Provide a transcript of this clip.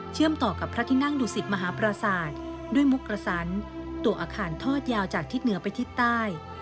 ต่อกับพระที่นั่งดุสิตมหาปราศาสตร์ด้วยมุกกระสันตัวอาคารทอดยาวจากทิศเหนือไปทิศใต้